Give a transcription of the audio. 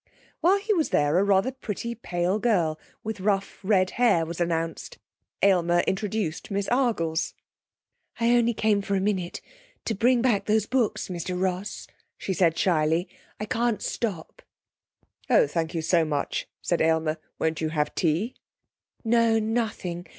While he was there a rather pretty pale girl, with rough red hair, was announced. Aylmer introduced Miss Argles. 'I only came for a minute, to bring back those books, Mr Ross,' she said shyly. 'I can't stop.' 'Oh, thank you so much,' said Aylmer. 'Won't you have tea?' 'No, nothing.